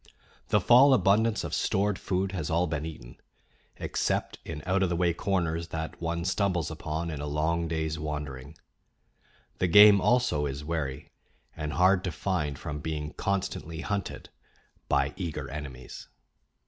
The fall abundance of stored food has all been eaten, except in out of the way corners that one stumbles upon in a long day's wandering; the game also is wary and hard to find from being constantly hunted by eager enemies.